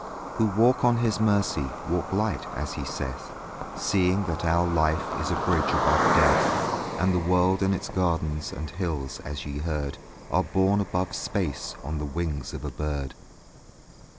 Who walk on his mercy Walk light, as he saith, Seeing that our life Is a bridge above death; And the world and its gardens And hills, as ye heard, Are born above space On the wings of a bird.